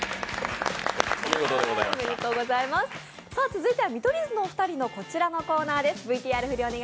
続いては見取り図のお二人のこちらのコーナーです。